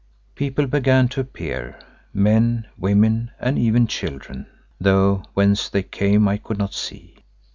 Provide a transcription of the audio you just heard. People began to appear; men, women, and even children, though whence they came I could not see.